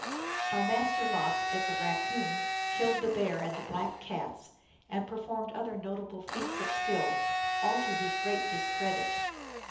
How Master Lox as a Haccoon killed the Bear and the Black Cats, and performed other Notable Feats of Skill, all to his Great Discredit.